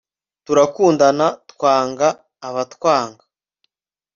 turakundana, twanga abatwanga